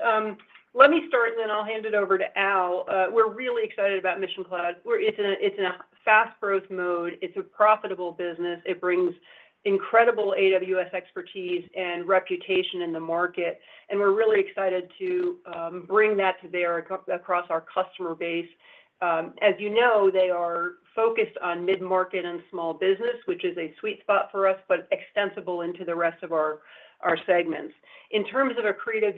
Let me start, and then I'll hand it over to Al. We're really excited about Mission Cloud. It's in a fast-growth mode. It's a profitable business. It brings incredible AWS expertise and reputation in the market. We're really excited to bring that to bear across our customer base. As you know, they are focused on mid-market and small business, which is a sweet spot for us, but extensible into the rest of our segments. In terms of accretion,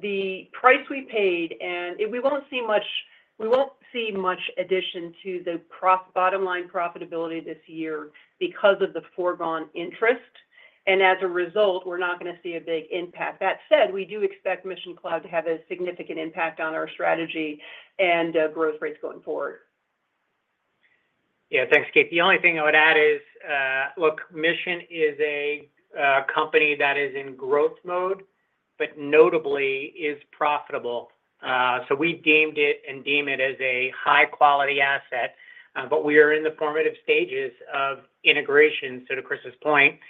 the price we paid, and we won't see much addition to the bottom line profitability this year because of the foregone interest. As a result, we're not going to see a big impact. That said, we do expect Mission Cloud to have a significant impact on our strategy and growth rates going forward. Yeah. Thanks, Keith. The only thing I would add is, look, Mission is a company that is in growth mode, but notably is profitable. So we deemed it and deem it as a high-quality asset. We are in the formative stages of integration. To Chris's point,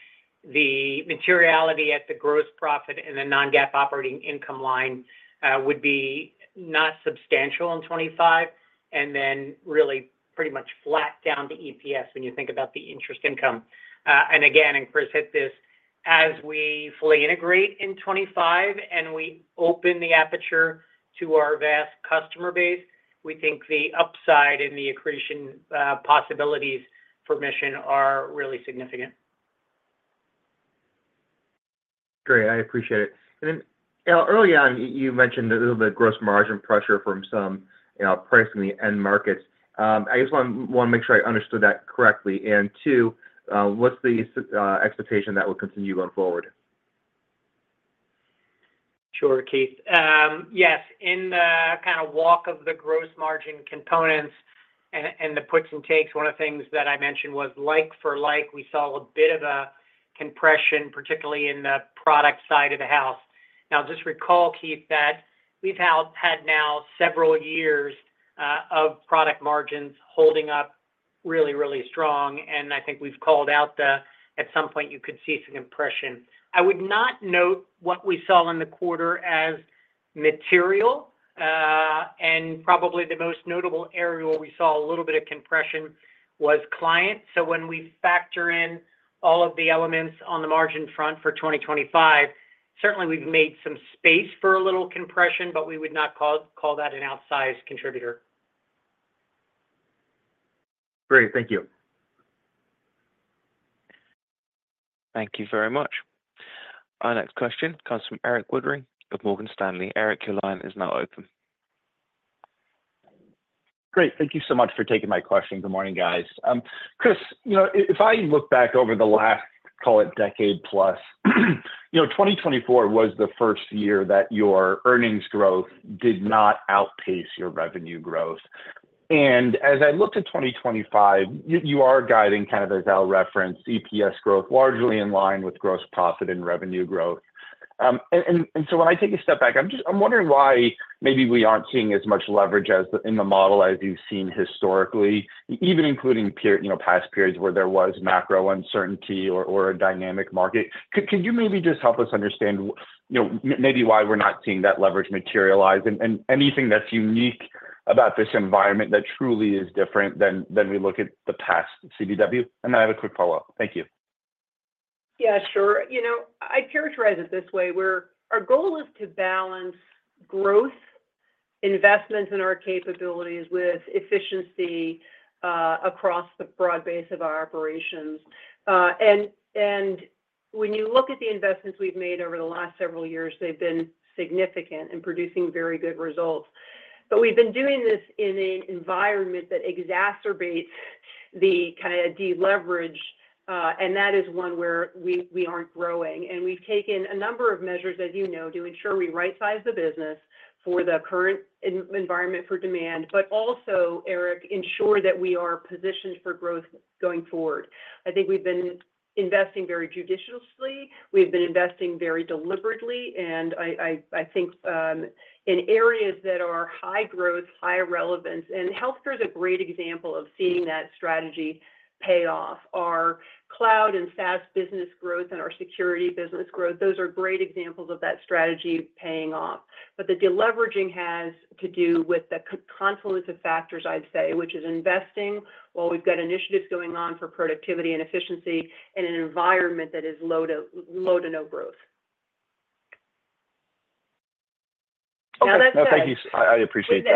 the materiality at the gross profit and the non-GAAP operating income line would be not substantial in 2025, and then really pretty much flat down to EPS when you think about the interest income. And again, and Chris hit this, as we fully integrate in 2025 and we open the aperture to our vast customer base, we think the upside and the accretion possibilities for Mission are really significant. Great. I appreciate it. And then, Al, early on, you mentioned a little bit of gross margin pressure from some pricing in the end markets. I just want to make sure I understood that correctly. And two, what's the expectation that will continue going forward? Sure, Keith. Yes. In the kind of walk of the gross margin components and the puts and takes, one of the things that I mentioned was like-for-like. We saw a bit of a compression, particularly in the product side of the house. Now, just recall, Keith, that we've had now several years of product margins holding up really, really strong. And I think we've called out that at some point, you could see some compression. I would not note what we saw in the quarter as material. And probably the most notable area where we saw a little bit of compression was client. So when we factor in all of the elements on the margin front for 2025, certainly we've made some space for a little compression, but we would not call that an outsized contributor. Great. Thank you. Thank you very much. Our next question comes from Erik Woodring of Morgan Stanley. Erik, your line is now open. Great. Thank you so much for taking my question. Good morning, guys. Chris, if I look back over the last, call it, decade-plus, 2024 was the first year that your earnings growth did not outpace your revenue growth. And as I look to 2025, you are guiding kind of, as Al referenced, EPS growth largely in line with gross profit and revenue growth. And so when I take a step back, I'm wondering why maybe we aren't seeing as much leverage in the model as you've seen historically, even including past periods where there was macro uncertainty or a dynamic market. Could you maybe just help us understand maybe why we're not seeing that leverage materialize? And anything that's unique about this environment that truly is different than we look at the past CDW? And I have a quick follow-up. Thank you. Yeah, sure. I'd characterize it this way. Our goal is to balance growth, investments in our capabilities with efficiency across the broad base of our operations. And when you look at the investments we've made over the last several years, they've been significant and producing very good results. But we've been doing this in an environment that exacerbates the kind of deleverage. And that is one where we aren't growing. And we've taken a number of measures, as you know, to ensure we right-size the business for the current environment for demand, but also, Erik, ensure that we are positioned for growth going forward. I think we've been investing very judiciously. We've been investing very deliberately. And I think in areas that are high growth, high relevance, and healthcare is a great example of seeing that strategy pay off. Our cloud and SaaS business growth and our security business growth, those are great examples of that strategy paying off. But the deleveraging has to do with the confluence of factors, I'd say, which is investing while we've got initiatives going on for productivity and efficiency in an environment that is low to no growth. Now, that said. Thank you. I appreciate that.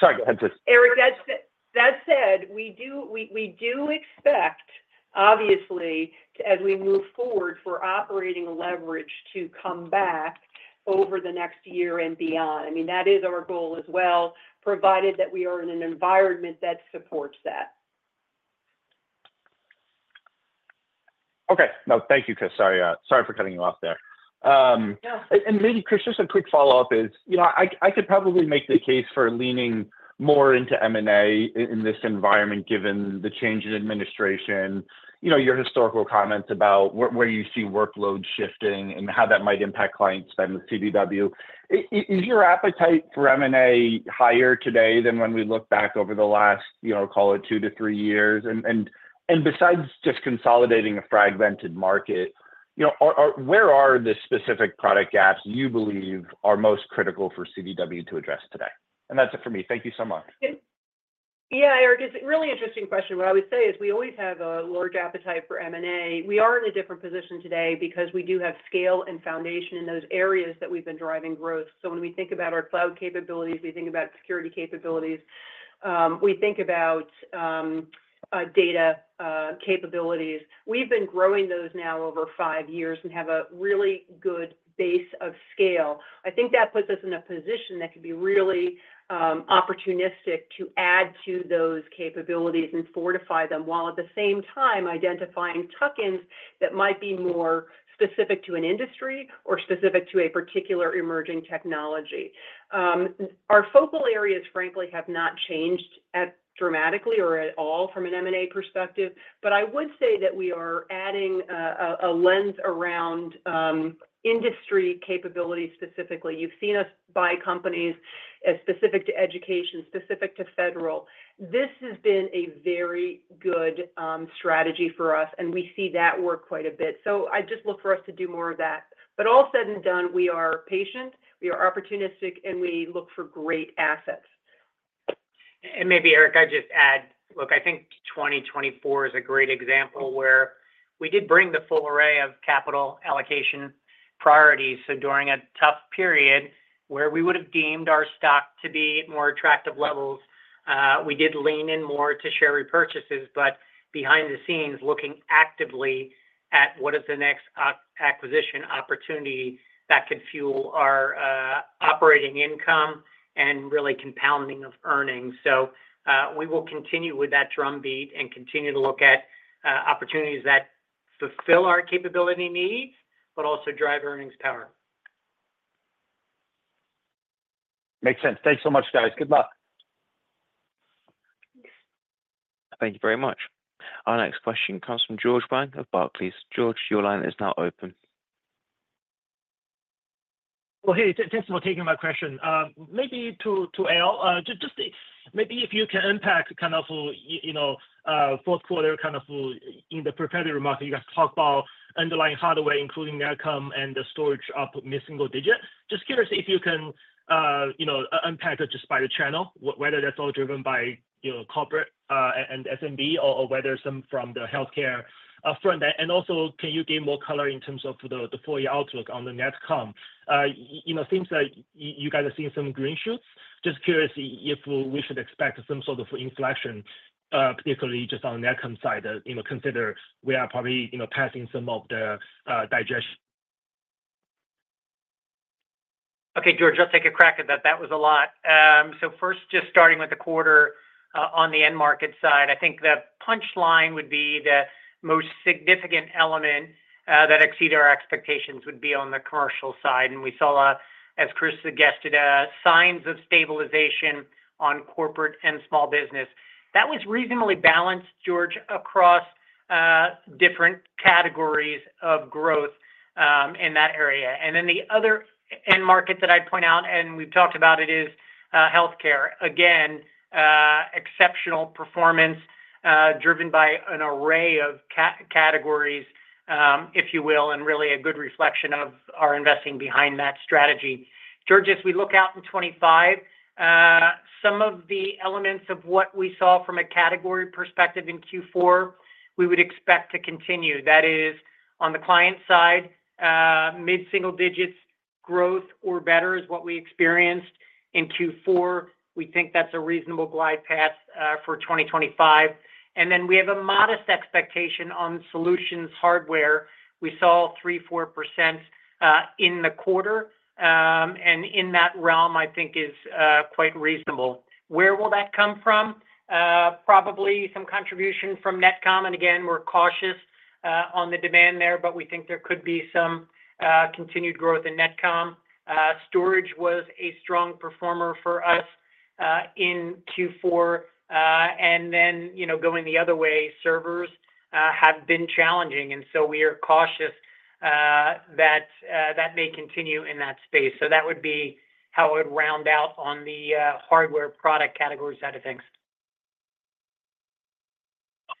Sorry. Go ahead, please. Erik, that said, we do expect, obviously, as we move forward, for operating leverage to come back over the next year and beyond. I mean, that is our goal as well, provided that we are in an environment that supports that. Okay. No, thank you, Chris. Sorry for cutting you off there. And maybe, Chris, just a quick follow-up is I could probably make the case for leaning more into M&A in this environment given the change in administration, your historical comments about where you see workload shifting and how that might impact client spend with CDW. Is your appetite for M&A higher today than when we look back over the last, call it, two to three years? And besides just consolidating a fragmented market, where are the specific product gaps you believe are most critical for CDW to address today? And that's it for me. Thank you so much. Yeah, Erik, it's a really interesting question. What I would say is we always have a large appetite for M&A. We are in a different position today because we do have scale and foundation in those areas that we've been driving growth. So when we think about our cloud capabilities, we think about security capabilities. We think about data capabilities. We've been growing those now over five years and have a really good base of scale. I think that puts us in a position that could be really opportunistic to add to those capabilities and fortify them while at the same time identifying tuck-ins that might be more specific to an industry or specific to a particular emerging technology. Our focal areas, frankly, have not changed dramatically or at all from an M&A perspective. But I would say that we are adding a lens around industry capability specifically. You've seen us buy companies specific to education, specific to federal. This has been a very good strategy for us, and we see that work quite a bit. So I just look for us to do more of that. But all said and done, we are patient. We are opportunistic, and we look for great assets. And maybe, Erik, I'd just add, look, I think 2024 is a great example where we did bring the full array of capital allocation priorities. So during a tough period where we would have deemed our stock to be at more attractive levels, we did lean in more to share repurchases. But behind the scenes, looking actively at what is the next acquisition opportunity that could fuel our operating income and really compounding of earnings. So we will continue with that drumbeat and continue to look at opportunities that fulfill our capability needs, but also drive earnings power. Makes sense. Thanks so much, guys. Good luck. Thank you very much. Our next question comes from George Wang of Barclays. George, your line is now open. Well, hey, thanks for taking my question. Maybe to Al, just maybe if you can unpack kind of Q4 kind of in the enterprise market, you guys talked about underlying hardware, including NetComm and the storage up mid-single digit. Just curious if you can unpack it just by the channel, whether that's all driven by corporate and SMB or whether some from the healthcare front. And also, can you give more color in terms of the forward outlook on the NetComm? Seems that you guys are seeing some green shoots. Just curious if we should expect some sort of inflection, particularly just on the NetComm side, considering we are probably passing some of the digestion. Okay, George, I'll take a crack at that. That was a lot. First, just starting with the quarter on the end market side, I think the punchline would be the most significant element that exceeded our expectations would be on the commercial side. And we saw, as Chris suggested, signs of stabilization on corporate and small business. That was reasonably balanced, George, across different categories of growth in that area. And then the other end market that I'd point out, and we've talked about it, is healthcare. Again, exceptional performance driven by an array of categories, if you will, and really a good reflection of our investing behind that strategy. George, as we look out in 2025, some of the elements of what we saw from a category perspective in Q4, we would expect to continue. That is, on the client side, mid-single digits growth or better is what we experienced. In Q4, we think that's a reasonable glide path for 2025. And then we have a modest expectation on solutions hardware. We saw 3%-4% in the quarter. And in that realm, I think is quite reasonable. Where will that come from? Probably some contribution from NetComm. And again, we're cautious on the demand there, but we think there could be some continued growth in NetComm. Storage was a strong performer for us in Q4. And then going the other way, servers have been challenging. And so we are cautious that that may continue in that space. So that would be how it would round out on the hardware product category side of things.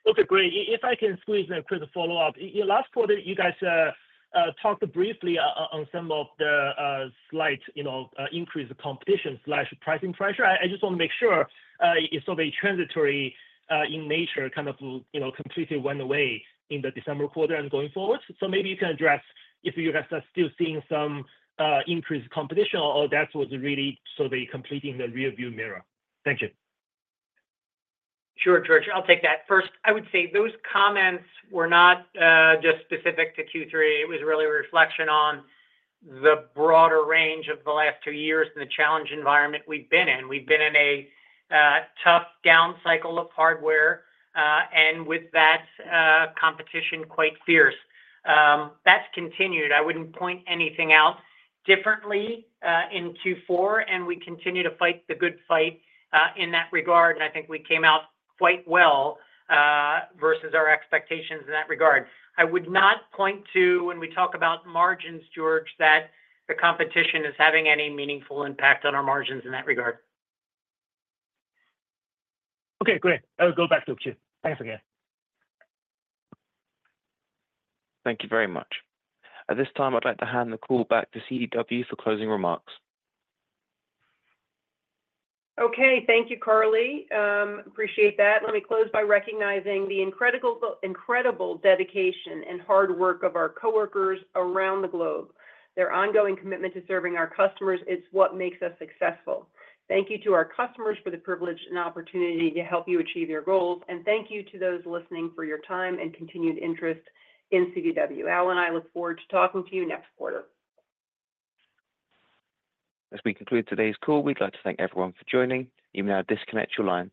Okay, great. If I can squeeze in for the follow-up, last quarter, you guys talked briefly on some of the slight increase in competition/pricing pressure. I just want to make sure it's sort of transitory in nature, kind of completely went away in the December quarter and going forward. So maybe you can address if you guys are still seeing some increased competition or that was really sort of completing in the rearview mirror. Thank you. Sure, George. I'll take that. First, I would say those comments were not just specific to Q3. It was really a reflection on the broader range of the last two years and the challenging environment we've been in. We've been in a tough down cycle of hardware and with that competition quite fierce. That's continued. I wouldn't point anything out differently in Q4, and we continue to fight the good fight in that regard, and I think we came out quite well versus our expectations in that regard. I would not point to, when we talk about margins, George, that the competition is having any meaningful impact on our margins in that regard. Okay, great. I'll go back to you. Thanks again. Thank you very much. At this time, I'd like to hand the call back to CDW for closing remarks. Okay. Thank you, Carly. Appreciate that. Let me close by recognizing the incredible dedication and hard work of our coworkers around the globe. Their ongoing commitment to serving our customers is what makes us successful. Thank you to our customers for the privilege and opportunity to help you achieve your goals. And thank you to those listening for your time and continued interest in CDW. Al and I look forward to talking to you next quarter. As we conclude today's call, we'd like to thank everyone for joining. You may now disconnect your line.